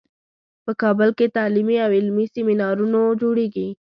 په کابل کې تعلیمي او علمي سیمینارونو جوړیږي